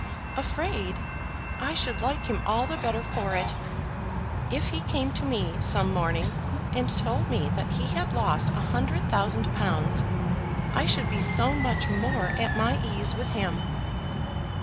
"Afraid! I should like him all the better for it. If he came to me, some morning, and told me that he had lost a hundred thousand pounds, I should be so much more at my ease with him."